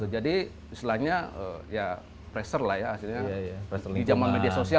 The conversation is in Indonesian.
jadi istilahnya pressure lah ya